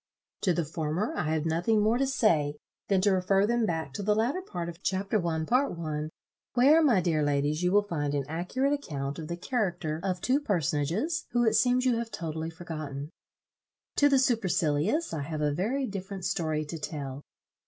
To the former I have nothing more to say, than to refer them back to the latter part of Chapter I., Part I. where, my dear ladies, you will find an accurate account of the character of two personages, who it seems you have totally forgotten. To the supercilious I have a very different story to tell.